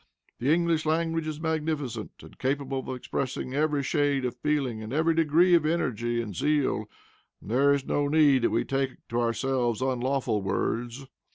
The English language is magnificent, and capable of expressing every shade of feeling and every degree of energy and zeal; and there is no need that we take to ourselves unlawful words.